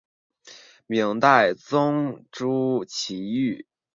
明代宗朱祁钰。